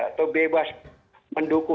atau bebas mendukung